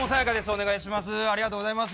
お願いします。